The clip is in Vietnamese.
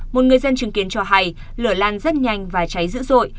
một người dân chứng kiến cho hay lửa lan rất nhanh và cháy dữ dội